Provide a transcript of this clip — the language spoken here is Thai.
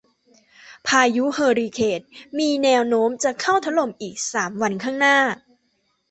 พายุเฮอริเคนมีมีแนวโน้มจะเข้าถล่มอีกสามวันข้างหน้า